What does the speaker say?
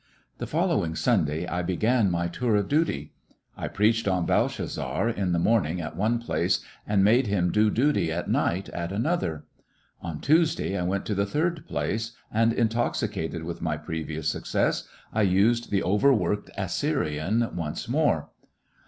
The following Sunday I began my tour of Again the duty. I preached on Belshazzar in the morn ing at one place, and made him do duty at night at another. On Tuesday I went to the third place, and intoxicated with my pre vious success, I used the overworked Assyrian once more.